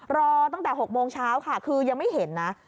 รอตั้งแต่๖โมงเช้าค่ะคือยังไม่เห็นนะ